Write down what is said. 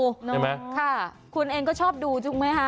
ใช่ไหมค่ะคุณเองก็ชอบดูถูกไหมคะ